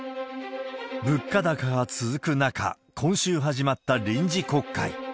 物価高が続く中、今週始まった臨時国会。